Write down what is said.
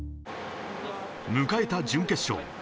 迎えた準決勝。